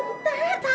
bu gimana kelihatan